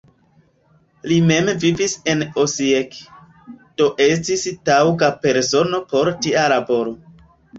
Li mem vivis en Osijek, do estis taŭga persono por tia laboro.